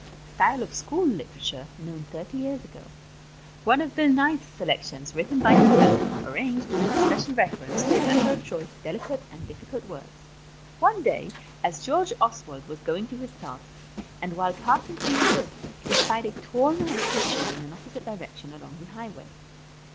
STYLE OF SCHOOL LITERATURE KNOWN THIRTY YEARS AGO. ONE OF BILL NYE'S SELECTIONS, WRITTEN BY HIMSELF ARRANGED WITH SPECIAL REFERENCE TO THE MATTER OF CHOICE, DELICATE AND DIFFICULT WORDS. One day as George Oswald was going to his tasks, and while passing through the wood, he spied a tall man approaching in an opposite direction along the highway.